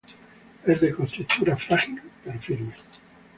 Es de contextura frágil pero firme.